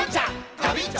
ガビンチョ！